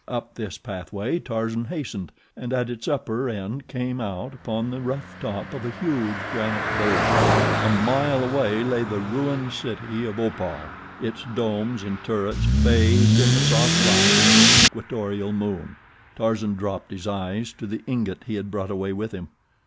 Up this pathway Tarzan hastened, and at its upper end came out upon the rough top of a huge granite bowlder. A mile away lay the ruined city of Opar, its domes and turrets bathed in the soft light of the equatorial moon. Tarzan dropped his eyes to the ingot he had brought away with him.